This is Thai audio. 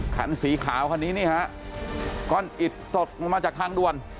คันสีขาวคันนี้นี่ฮะก้อนอิดตกลงมาจากทางด่วน